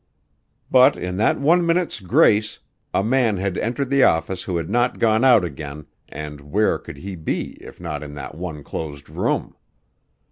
But in that one minute's grace a man had entered the office who had not gone out again, and where could he be if not in that one closed room?